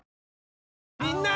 みんな！